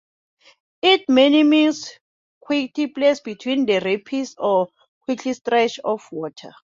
It may mean "quiet place between the rapids" or "quiet stretch of water".